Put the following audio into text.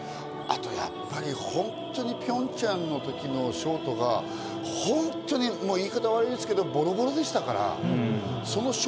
あと、やっぱり本当にピョンチャンの時のショートが言い方は悪いですけどボロボロでしたからね。